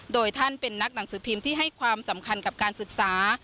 โดยท่านเป็นนักหนังสือพิมพ์ที่ให้ความสำคัญกับการศึกษา